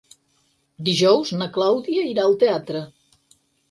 Dijous na Clàudia irà al teatre.